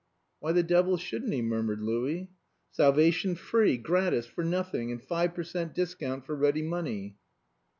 ("Why the devil shouldn't he?" murmured Louis.) "Salvation free, gratis, for nothing, and five per cent, discount for ready money."